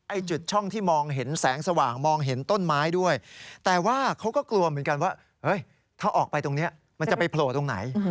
จุดช่องที่มองเห็นแสงสว่างมองเห็นต้นไม้ด้วยแต่ว่าเขาก็กลัวเหมือนกันว่าถ้าออกไปตรงนี้มันจะไปโผล่ตรงไหน